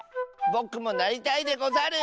ぼくもなりたいでござる！